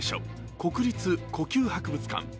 国立古宮博物館。